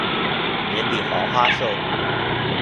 人比黄花瘦